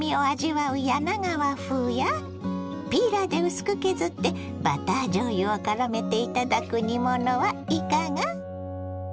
柳川風やピーラーで薄く削ってバターじょうゆをからめて頂く煮物はいかが。